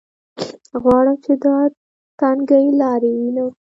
غواړم چې دا تنګې لارې ووینم.